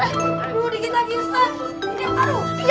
aduh dikit lagi ustadz